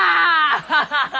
アハハハ！